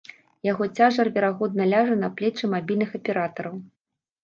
Яго цяжар верагодна ляжа на плечы мабільных аператараў.